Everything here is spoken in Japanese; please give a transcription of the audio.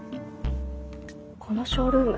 このショールーム